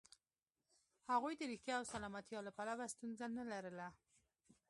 هغوی د روغتیا او سلامتیا له پلوه ستونزه نه لرله.